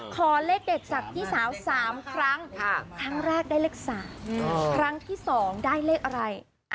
ขอเลขเด็ดจากพี่สาว๓ครั้งครั้งแรกได้เลข๓ครั้งที่๒ได้เลขอะไร